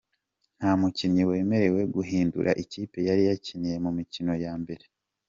Nta mukinnyi wemerewe guhindura ikipe yari yakiniye mu mikino ya mbere.